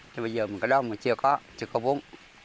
thế bây giờ mình có đông mà chưa có chưa có vốn